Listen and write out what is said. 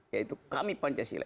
yaitu kami pancasila